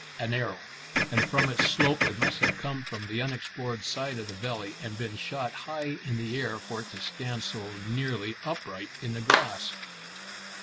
An arrow, and from its slope it must have come from the unexplored side of the valley, and been shot high in the air for it to stand so nearly upright in the grass.